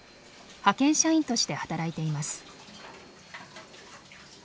派遣社員として働いています。